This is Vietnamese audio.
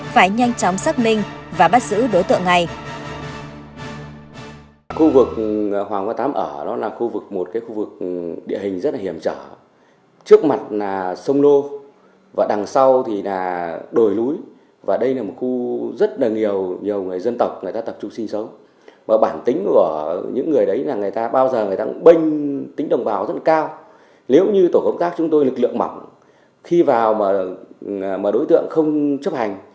phải nhanh chóng xác minh và bắt giữ đối tượng này